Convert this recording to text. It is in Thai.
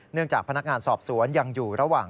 จากพนักงานสอบสวนยังอยู่ระหว่าง